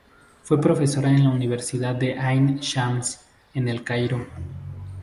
Fue profesora en la Universidad de Ain Shams, en El Cairo.